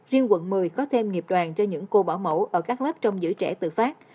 riêng quận một mươi có thêm nghiệp đoàn cho những cô bỏ mẫu ở các lớp trong giữ trẻ tự phát